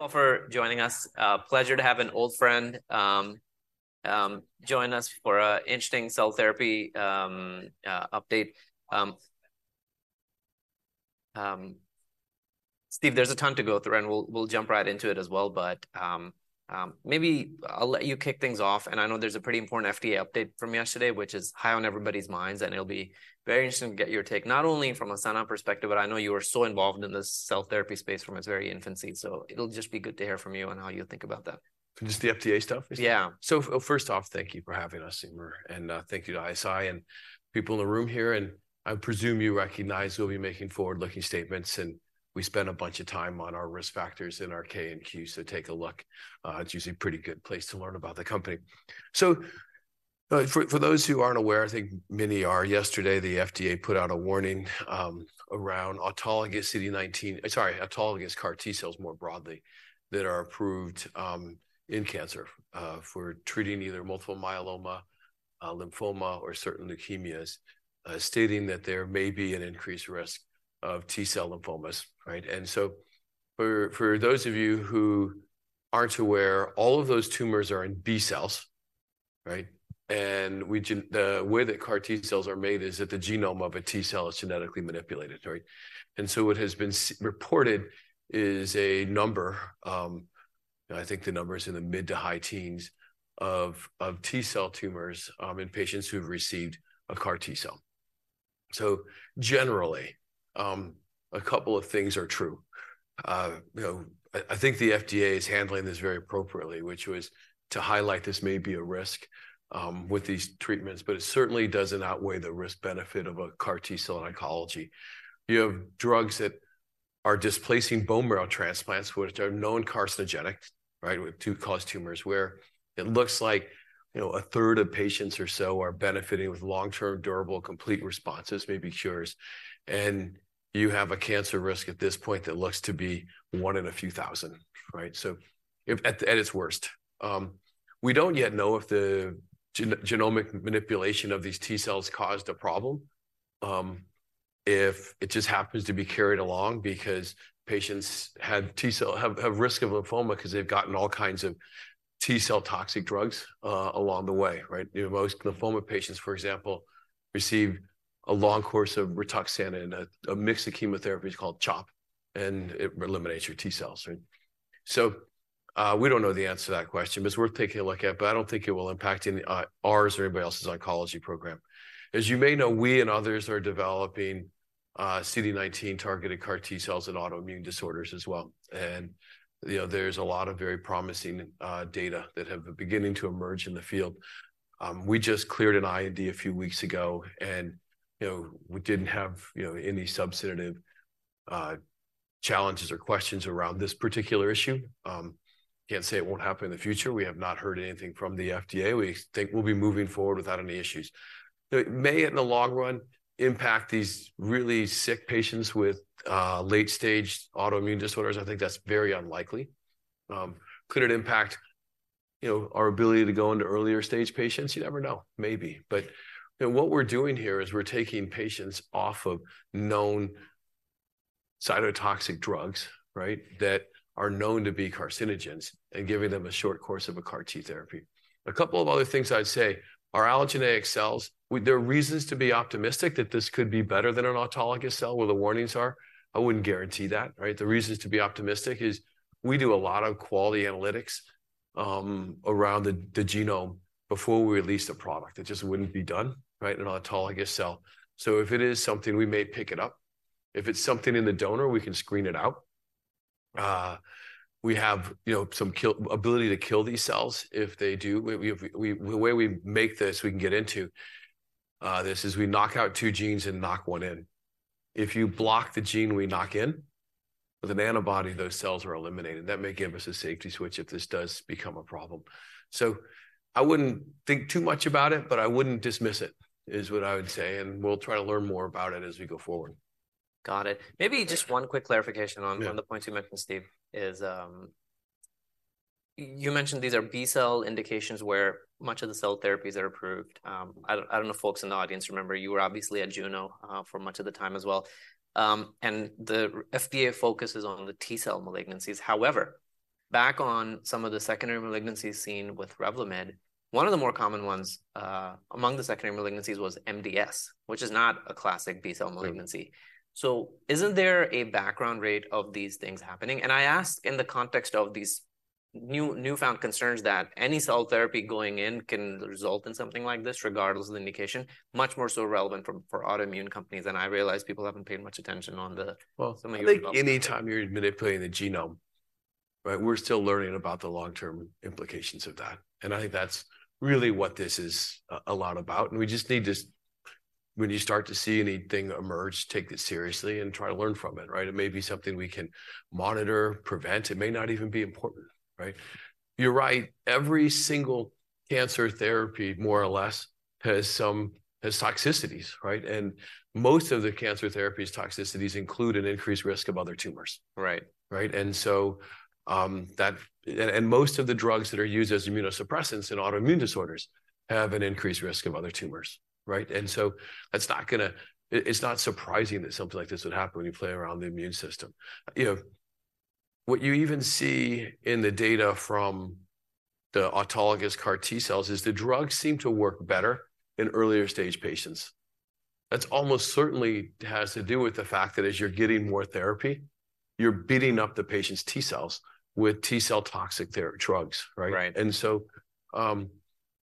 to have joining us. Pleasure to have an old friend join us for an interesting cell therapy update. Steve, there's a ton to go through, and we'll jump right into it as well. Maybe I'll let you kick things off, and I know there's a pretty important FDA update from yesterday, which is high on everybody's minds, and it'll be very interesting to get your take, not only from a Sana perspective, but I know you were so involved in this cell therapy space from its very infancy. So it'll just be good to hear from you on how you think about that. Just the FDA stuff? Yeah. So first off, thank you for having us, Umer, and thank you to ISI and people in the room here. And I presume you recognize we'll be making forward-looking statements, and we spend a bunch of time on our risk factors in our K and Q, so take a look. It's usually a pretty good place to learn about the company. So for those who aren't aware, I think many are, yesterday, the FDA put out a warning around autologous CD19 CAR T-cells, more broadly, that are approved in cancer for treating either multiple myeloma, lymphoma or certain leukemias, stating that there may be an increased risk of T-cell lymphomas, right? And so for those of you who aren't aware, all of those tumors are in B-cells, right? The way that CAR T-cells are made is that the genome of a T-cell is genetically manipulated, right? So what has been reported is a number, I think the number is in the mid- to high teens, of T-cell tumors in patients who've received a CAR T-cell. So generally, a couple of things are true. You know, I think the FDA is handling this very appropriately, which was to highlight this may be a risk with these treatments, but it certainly doesn't outweigh the risk-benefit of a CAR T-cell in oncology. You have drugs that are displacing bone marrow transplants, which are known carcinogenic, right, to cause tumors, where it looks like, you know, a third of patients or so are benefiting with long-term, durable, complete responses, maybe cures. You have a cancer risk at this point that looks to be one in a few thousand, right? So at its worst. We don't yet know if the genomic manipulation of these T-cells caused a problem, if it just happens to be carried along because patients have risk of lymphoma because they've gotten all kinds of T-cell toxic drugs along the way, right? You know, most lymphoma patients, for example, receive a long course of rituximab and a mix of chemotherapy called CHOP, and it eliminates your T-cells, right? So we don't know the answer to that question, but it's worth taking a look at. But I don't think it will impact any ours or anybody else's oncology program. As you may know, we and others are developing CD19-targeted CAR T cells and autoimmune disorders as well. You know, there's a lot of very promising data that have begun to emerge in the field. We just cleared an IND a few weeks ago, and, you know, we didn't have, you know, any substantive challenges or questions around this particular issue. Can't say it won't happen in the future. We have not heard anything from the FDA. We think we'll be moving forward without any issues. It may, in the long run, impact these really sick patients with late-stage autoimmune disorders. I think that's very unlikely. Could it impact, you know, our ability to go into earlier-stage patients? You never know. Maybe. But, you know, what we're doing here is we're taking patients off of known cytotoxic drugs, right, that are known to be carcinogens and giving them a short course of a CAR T therapy. A couple of other things I'd say, our allogeneic cells, there are reasons to be optimistic that this could be better than an autologous cell, where the warnings are. I wouldn't guarantee that, right? The reasons to be optimistic is we do a lot of quality analytics around the, the genome before we release the product. It just wouldn't be done, right, in an autologous cell. So if it is something, we may pick it up. If it's something in the donor, we can screen it out. You know, some kill, ability to kill these cells if they do. The way we make this, we can get into this, is we knock out two genes and knock one in. If you block the gene we knock in with an antibody, those cells are eliminated. That may give us a safety switch if this does become a problem. So I wouldn't think too much about it, but I wouldn't dismiss it, is what I would say, and we'll try to learn more about it as we go forward. Got it. Maybe just one quick clarification Yeah -on the point you mentioned, Steve, is, you mentioned these are B-cell indications where much of the cell therapies are approved. I don't know if folks in the audience remember, you were obviously at Juno, for much of the time as well. And the FDA focuses on the T-cell malignancies. However, back on some of the secondary malignancies seen with Revlimid, one of the more common ones, among the secondary malignancies was MDS, which is not a classic B-cell malignancy. Right. So isn't there a background rate of these things happening? And I ask in the context of these newfound concerns that any cell therapy going in can result in something like this, regardless of the indication, much more so relevant for autoimmune companies, and I realize people haven't paid much attention on the- Well- some of the I think anytime you're manipulating the genome, right, we're still learning about the long-term implications of that, and I think that's really what this is a lot about, and we just need to, when you start to see anything emerge, take it seriously and try to learn from it, right? It may be something we can monitor, prevent. It may not even be important, right? You're right, every single cancer therapy, more or less, has some toxicities, right? And most of the cancer therapies toxicities include an increased risk of other tumors, right? Right. And so, that, and most of the drugs that are used as immunosuppressants in autoimmune disorders have an increased risk of other tumors, right? And so that's not gonna, it's not surprising that something like this would happen when you play around the immune system. You know... What you even see in the data from the autologous CAR T cells is the drugs seem to work better in earlier-stage patients. That's almost certainly has to do with the fact that as you're getting more therapy, you're beating up the patient's T cells with T-cell toxic therapy drugs, right? Right. And so,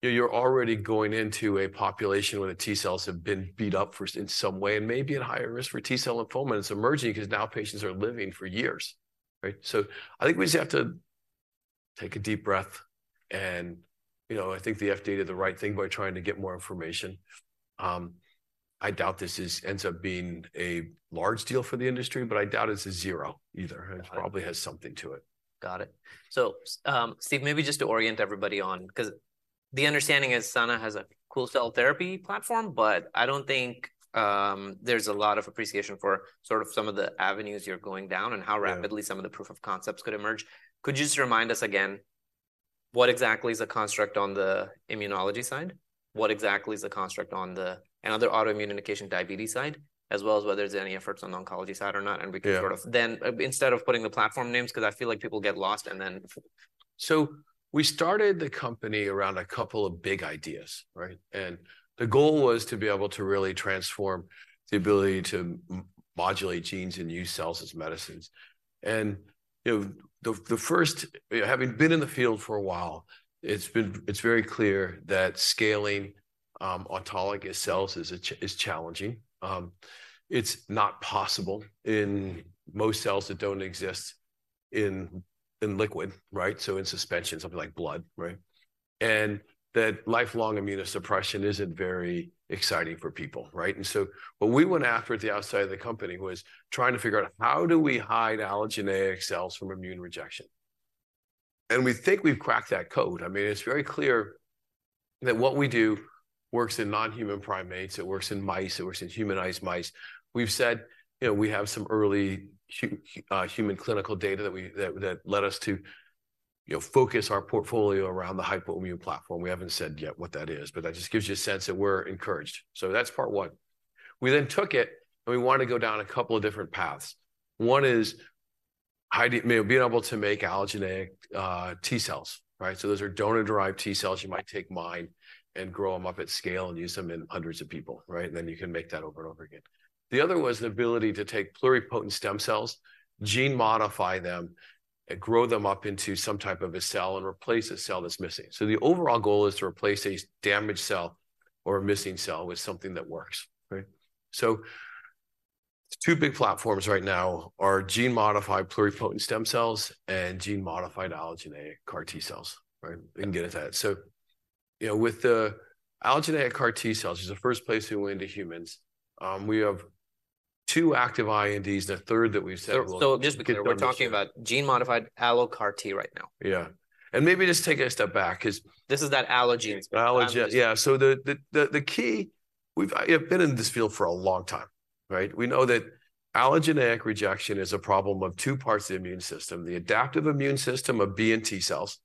you're already going into a population where the T cells have been beat up first in some way and may be at higher risk for T-cell lymphoma, and it's emerging because now patients are living for years, right? So I think we just have to take a deep breath, and, you know, I think the FDA did the right thing by trying to get more information. I doubt this ends up being a large deal for the industry, but I doubt it's a zero either. Right. It probably has something to it. Got it. So, Steve, maybe just to orient everybody on, 'cause the understanding is Sana has a cool cell therapy platform, but I don't think, there's a lot of appreciation for sort of some of the avenues you're going down- Yeah and how rapidly some of the proof of concepts could emerge. Could you just remind us again, what exactly is the construct on the immunology side? What exactly is the construct on the autoimmune indication diabetes side, as well as whether there's any efforts on the oncology side or not? Yeah and we can sort of, then, instead of putting the platform names, 'cause I feel like people get lost, and then- So we started the company around a couple of big ideas, right? And the goal was to be able to really transform the ability to modulate genes and use cells as medicines. And, you know, having been in the field for a while, it's very clear that scaling autologous cells is challenging. It's not possible in most cells that don't exist in liquid, right? So in suspension, something like blood, right? And that lifelong immunosuppression isn't very exciting for people, right? And so what we went after at the outset of the company was trying to figure out: how do we hide allogeneic cells from immune rejection? And we think we've cracked that code. I mean, it's very clear that what we do works in non-human primates, it works in mice, it works in humanized mice. We've said, you know, we have some early human clinical data that led us to, you know, focus our portfolio around the hypoimmune platform. We haven't said yet what that is, but that just gives you a sense that we're encouraged. So that's part one. We then took it, and we wanted to go down a couple of different paths. One is hiding, being able to make allogeneic T cells, right? So those are donor-derived T cells. You might take mine and grow them up at scale and use them in hundreds of people, right? Then you can make that over and over again. The other was the ability to take pluripotent stem cells, gene modify them, and grow them up into some type of a cell and replace a cell that's missing. So the overall goal is to replace a damaged cell or a missing cell with something that works, right? So two big platforms right now are gene-modified pluripotent stem cells and gene-modified allogeneic CAR T cells. Right. Okay. We can get into that. So, you know, with the allogeneic CAR T cells, it's the first place we went into humans. We have two active INDs and a third that we've said- So, just because we're talking about gene-modified allo CAR T right now. Yeah. And maybe just take a step back, 'cause- This is that allogeneic. Allogeneic, yeah. So the key... We've been in this field for a long time, right? We know that allogeneic rejection is a problem of two parts of the immune system, the adaptive immune system of B and T cells,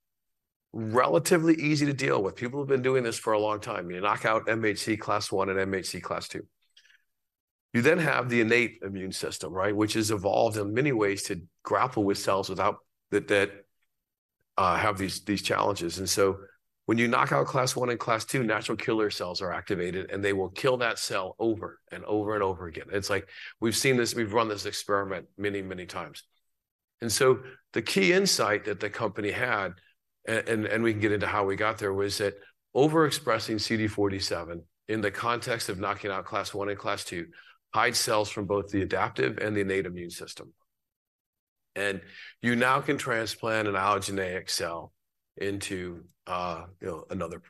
relatively easy to deal with. People have been doing this for a long time. You knock out MHC Class I and MHC Class II. You then have the innate immune system, right, which has evolved in many ways to grapple with cells without that have these challenges. And so when you knock out Class I and Class II, natural killer cells are activated, and they will kill that cell over and over and over again. It's like we've seen this, we've run this experiment many, many times. And so the key insight that the company had, and we can get into how we got there, was that overexpressing CD47 in the context of knocking out Class I and Class II hide cells from both the adaptive and the innate immune system. And you now can transplant an allogeneic cell into, you know, another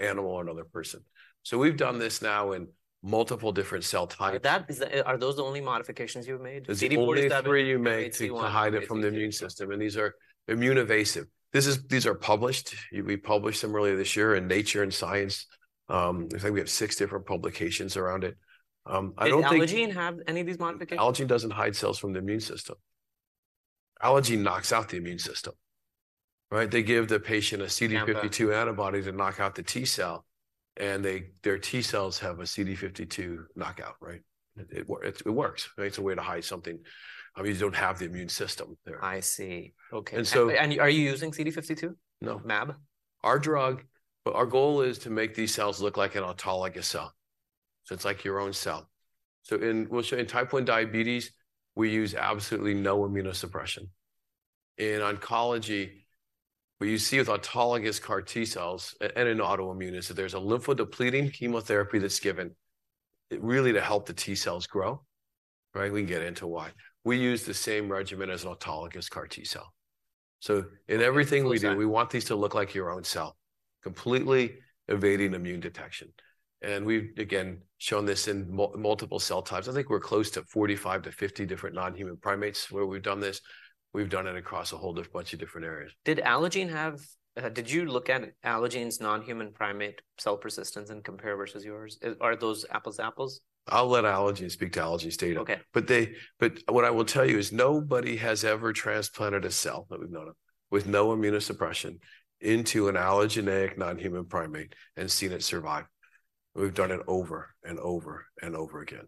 animal or another person. So we've done this now in multiple different cell types. Are those the only modifications you've made? CD47- Those are the only three you make- MHC I to hide it from the immune system, and these are immune evasive. These are published. We published them earlier this year in Nature and Science. I think we have six different publications around it. I don't think- Did Allogene have any of these modifications? Allogene doesn't hide cells from the immune system. Allogene knocks out the immune system. Right, they give the patient a CD- Yeah 52 antibody to knock out the T-cell, and their T-cells have a CD52 knockout, right? It works. It's a way to hide something. I mean, you don't have the immune system there. I see. Okay, and so- are you using CD52- No mAb? Our drug, but our goal is to make these cells look like an autologous cell, so it's like your own cell. So in, we'll show in type 1 diabetes, we use absolutely no immunosuppression. In oncology, what you see with autologous CAR T cells and in autoimmune, is that there's a lymphodepleting chemotherapy that's given, really to help the T cells grow, right? We can get into why. We use the same regimen as autologous CAR T cell. So in everything- What's that?... we do, we want these to look like your own cell, completely evading immune detection. And we've, again, shown this in multiple cell types. I think we're close to 45-50 different non-human primates where we've done this. We've done it across a whole bunch of different areas. Did Allogene have, did you look at Allogene's non-human primate cell persistence and compare versus yours? Is, are those apples to apples? I'll let Allogene speak to Allogene's data. Okay. But what I will tell you is nobody has ever transplanted a cell, that we've known of, with no immunosuppression into an allogeneic non-human primate and seen it survive. We've done it over and over and over again.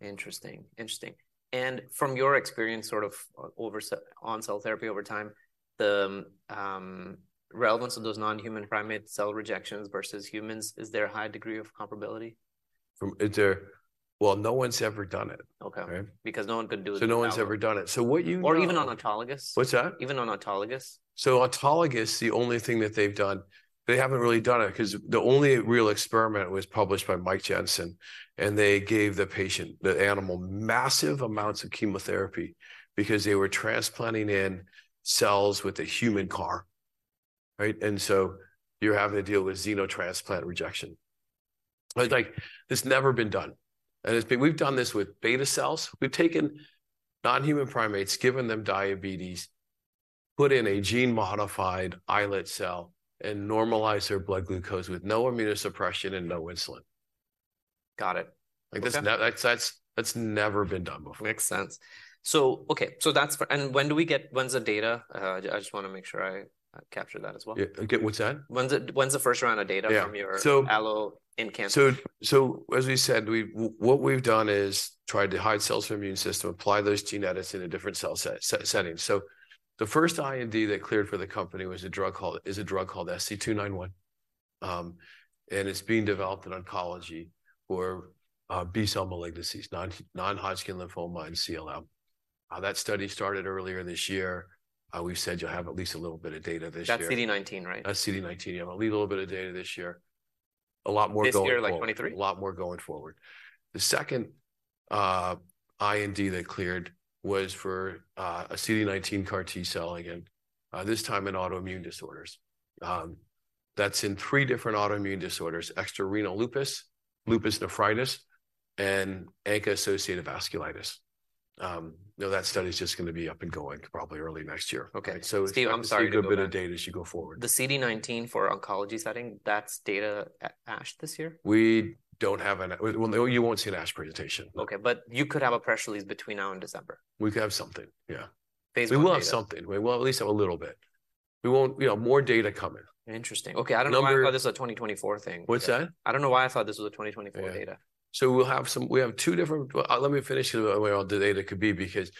Interesting, interesting. And from your experience, sort of over on cell therapy over time, the relevance of those non-human primate cell rejections versus humans, is there a high degree of comparability? Well, no one's ever done it. Okay. Right? Because no one could do it- No one's ever done it. So what you- Or even on autologous? What's that? Even on autologous? So autologous, the only thing that they've done. They haven't really done it, 'cause the only real experiment was published by Mike Jensen, and they gave the patient, the animal, massive amounts of chemotherapy because they were transplanting in cells with a human CAR. Right? And so you're having to deal with xenotransplant rejection. But, like, it's never been done, and it's. We've done this with beta cells. We've taken non-human primates, given them diabetes, put in a gene-modified islet cell, and normalized their blood glucose with no immunosuppression and no insulin. Got it. Okay. Like, that's never been done before. Makes sense. So okay, so that's... And when do we get- When's the data? I just wanna make sure I capture that as well. Yeah. What's that? When's the first round of data- Yeah -from your allo in cancer? So as we said, what we've done is tried to hide cells from immune system, apply those genetics in a different cell set, setting. So the first IND that cleared for the company was a drug called, is a drug called SC291, and it's being developed in oncology for B-cell malignancies, non-Hodgkin lymphoma, and CLL. That study started earlier this year. We've said you'll have at least a little bit of data this year. That's CD19, right? That's CD19. Yeah, we'll have a little bit of data this year. A lot more going forward- This year, like 2023? A lot more going forward. The second IND that cleared was for a CD19 CAR T-cell, again, this time in autoimmune disorders. That's in three different autoimmune disorders: extrarenal lupus, lupus nephritis, and ANCA-associated vasculitis. Now, that study's just gonna be up and going probably early next year. Okay. So- Steve, I'm sorry to go back. A good bit of data as you go forward. The CD19 for oncology setting, that's data at ASH this year? We don't have. Well, no, you won't see an ASH presentation. Okay, but you could have a press release between now and December? We could have something, yeah. Based on data. We will have something. We will at least have a little bit. We won't- you know, more data coming. Interesting. Number- Okay, I don't know why I thought this was a 2024 thing. What's that? I don't know why I thought this was a 2024 data. Yeah. So we'll have. Well, let me finish the way all the data could be, because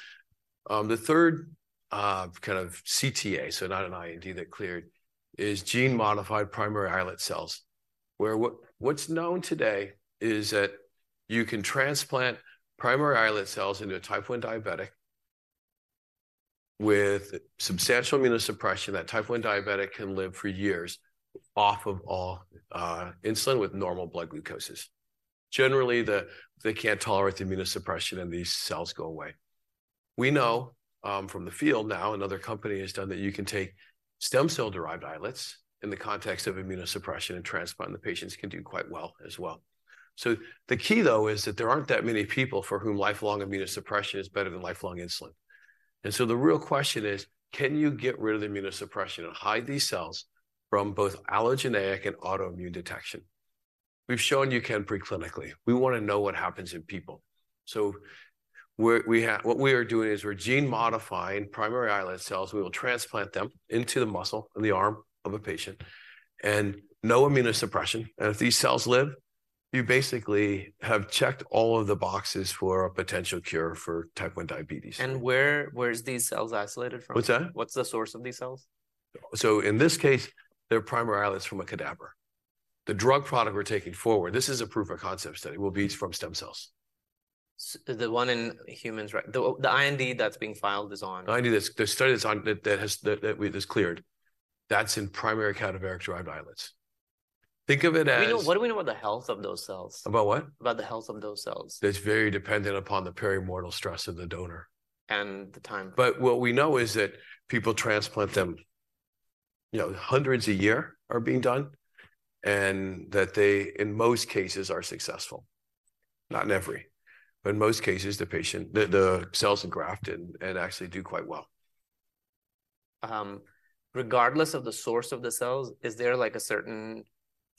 the third kind of CTA, so not an IND that cleared, is gene-modified primary islet cells, where what's known today is that you can transplant primary islet cells into a Type 1 Diabetic with substantial immunosuppression. That Type 1 Diabetic can live for years off of all insulin with normal blood glucoses. Generally, they can't tolerate the immunosuppression, and these cells go away. We know from the field now, another company has done that you can take stem cell-derived islets in the context of immunosuppression and transplant, and the patients can do quite well as well. So the key, though, is that there aren't that many people for whom lifelong immunosuppression is better than lifelong insulin. And so the real question is: Can you get rid of the immunosuppression and hide these cells from both allogeneic and autoimmune detection? We've shown you can preclinically. We wanna know what happens in people. So what we are doing is we're gene-modifying primary islet cells. We will transplant them into the muscle in the arm of a patient, and no immunosuppression. And if these cells live, you basically have checked all of the boxes for a potential cure for Type 1 Diabetes. Where, where's these cells isolated from? What's that? What's the source of these cells? So in this case, they're primary islets from a cadaver. The drug product we're taking forward, this is a proof-of-concept study, will be from stem cells. The one in humans, right? The IND that's being filed is on- The IND that's the study that's on that we've just cleared, that's in primary cadaveric-derived islets. Think of it as- What do we know about the health of those cells? About what? About the health of those cells. It's very dependent upon the perimortem stress of the donor. The time. What we know is that people transplant them, you know, hundreds a year are being done, and that they, in most cases, are successful. Not in every, but in most cases, the cells are grafted and actually do quite well. Regardless of the source of the cells, is there, like, a certain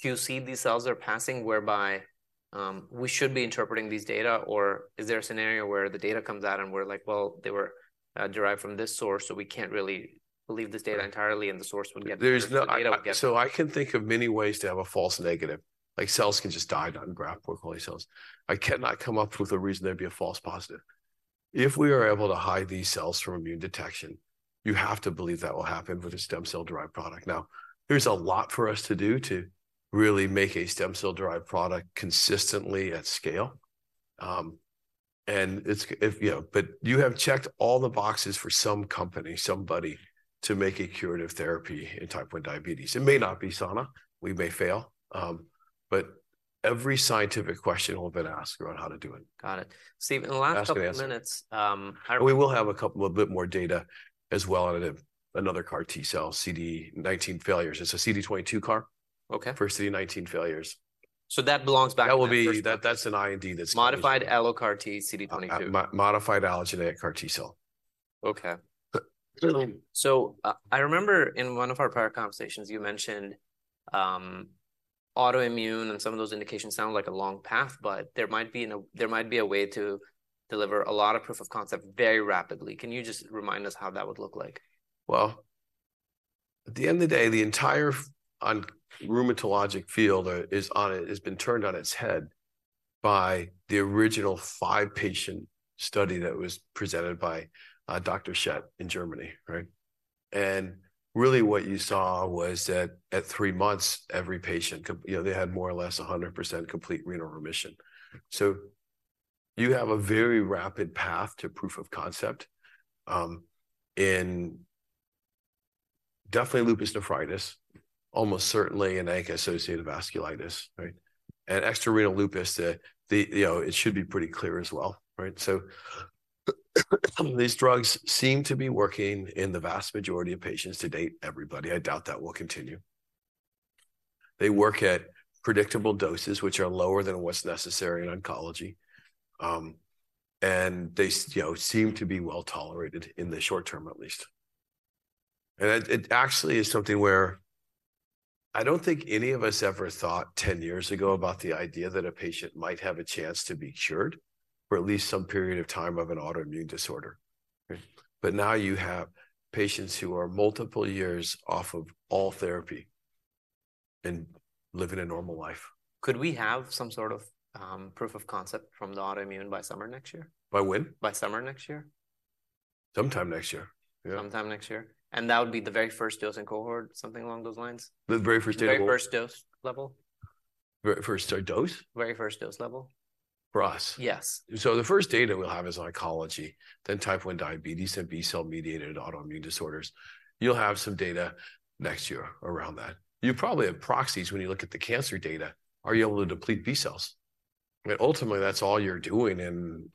QC these cells are passing, whereby we should be interpreting these data? Or is there a scenario where the data comes out and we're like: "Well, they were derived from this source, so we can't really believe this data entirely, and the source would get- There is no- the data would get. So I can think of many ways to have a false negative. Like, cells can just die on graft poorly cells. I cannot come up with a reason there'd be a false positive. If we are able to hide these cells from immune detection, you have to believe that will happen with a stem cell-derived product. Now, there's a lot for us to do to really make a stem cell-derived product consistently at scale. You know, but you have checked all the boxes for some company, somebody, to make a curative therapy in type 1 diabetes. It may not be Sana. We may fail. But every scientific question will have been asked around how to do it. Got it. Steve, in the last couple- Ask and answer... minutes. We will have a couple, a bit more data as well, out of another CAR T-cell, CD19 failures. It's a CD22 CAR- Okay -for CD19 failures. So that belongs back in that first- That's an IND that's- Modified allo CAR T, CD22. modified allogeneic CAR T-cell. Okay. But- So, I remember in one of our prior conversations, you mentioned autoimmune and some of those indications sound like a long path, but there might be a way to deliver a lot of proof of concept very rapidly. Can you just remind us how that would look like? Well, at the end of the day, the entire rheumatologic field has been turned on its head by the original five-patient study that was presented by Dr. Schett in Germany, right? And really, what you saw was that at three months, every patient, you know, they had more or less 100% complete renal remission. So you have a very rapid path to proof of concept in definitely lupus nephritis, almost certainly in ANCA-associated vasculitis, right? And extrarenal lupus, you know, it should be pretty clear as well, right? So, these drugs seem to be working in the vast majority of patients to date, everybody. I doubt that will continue. They work at predictable doses, which are lower than what's necessary in oncology. And they, you know, seem to be well-tolerated in the short term at least. It actually is something where I don't think any of us ever thought 10 years ago about the idea that a patient might have a chance to be cured for at least some period of time of an autoimmune disorder, right? But now you have patients who are multiple years off of all therapy and living a normal life. Could we have some sort of proof of concept from the autoimmune by summer next year? By when? By summer next year. Sometime next year. Yeah. Sometime next year. That would be the very first dose in cohort, something along those lines? The very first data- The very first dose level. First dose? Very first dose level. For us? Yes. So the first data we'll have is oncology, then Type 1 Diabetes, and B-cell-mediated autoimmune disorders. You'll have some data next year around that. You probably have proxies when you look at the cancer data. Are you able to deplete B cells? And ultimately, that's all you're doing in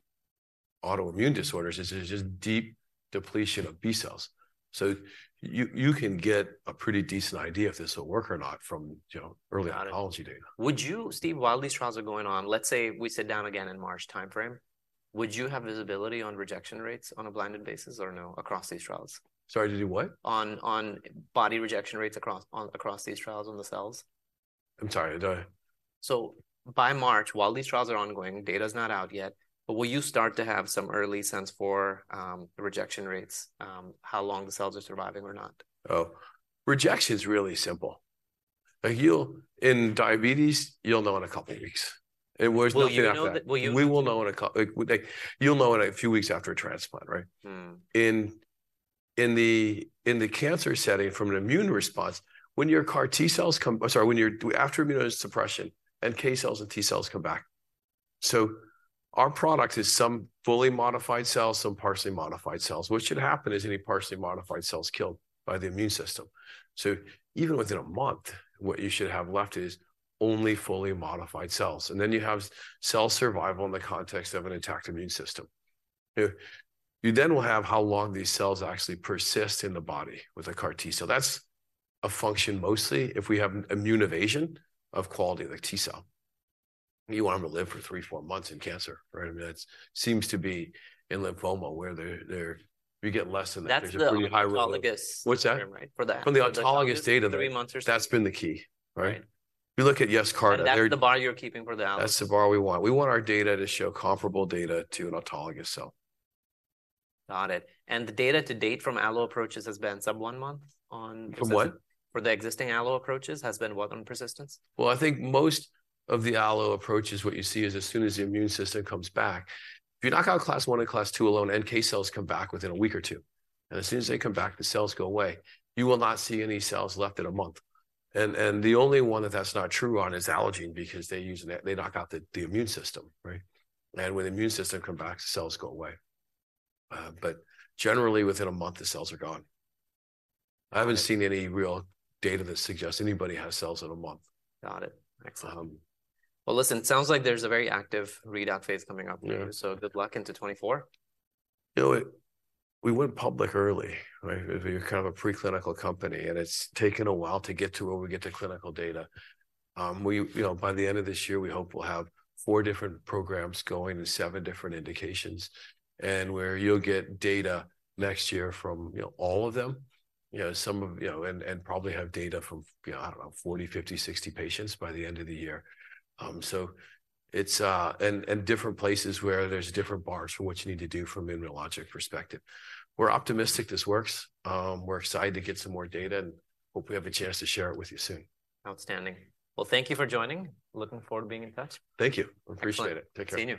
autoimmune disorders is just deep depletion of B cells. So you can get a pretty decent idea if this will work or not from, you know- Got it ...early oncology data. Would you, Steve, while these trials are going on, let's say we sit down again in March timeframe, would you have visibility on rejection rates on a blinded basis or no, across these trials? Sorry, to do what? On body rejection rates across these trials on the cells? I'm sorry. Do I... So by March, while these trials are ongoing, data's not out yet, but will you start to have some early sense for the rejection rates, how long the cells are surviving or not? Oh, rejection's really simple. Like, in diabetes, you'll know in a couple weeks, and there's nothing after- Will you- We will know in a couple. Like, you'll know it a few weeks after a transplant, right? Mm. In the cancer setting from an immune response, when your CAR T cells come... Sorry, when after immunosuppression, NK cells and T cells come back. So our product is some fully modified cells, some partially modified cells. What should happen is any partially modified cells killed by the immune system. So even within a month, what you should have left is only fully modified cells, and then you have cell survival in the context of an intact immune system. You, you then will have how long these cells actually persist in the body with a CAR T cell. That's a function mostly if we have immune evasion of quality of the T cell. You want 'em to live for three, four months in cancer, right? I mean, that seems to be in lymphoma, where they're, they're-- you get less than that. That's the- There's a pretty high rate- -autologous. What's that? For the- From the autologous data- Three months or-... that's been the key, right? Right. If you look at Yescarta, they're- That's the bar you're keeping for the allo. That's the bar we want. We want our data to show comparable data to an autologous cell. Got it. The data to date from allo approaches has been sub 1 month on- From what? For the existing allo approaches has been what on persistence? Well, I think most of the allo approaches, what you see is as soon as the immune system comes back, if you knock out Class I and Class II alone, NK cells come back within a week or two, and as soon as they come back, the cells go away. You will not see any cells left in a month. And the only one that that's not true on is allogeneic because they knock out the immune system, right? And when the immune system come back, the cells go away. But generally, within a month, the cells are gone. I haven't seen any real data that suggests anybody has cells in a month. Got it. Excellent. Um- Well, listen, it sounds like there's a very active readout phase coming up here. Yeah. Good luck into 2024. You know, we went public early, right? We're kind of a preclinical company, and it's taken a while to get to where we get to clinical data. We, you know, by the end of this year, we hope we'll have four different programs going in seven different indications, and where you'll get data next year from, you know, all of them. You know, and probably have data from, you know, I don't know, 40, 50, 60 patients by the end of the year. So it's... And different places where there's different bars for what you need to do from immunologic perspective. We're optimistic this works. We're excited to get some more data, and hope we have a chance to share it with you soon. Outstanding. Well, thank you for joining. Looking forward to being in touch. Thank you. Excellent. Appreciate it. Take care. See you.